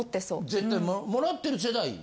絶対貰ってる世代。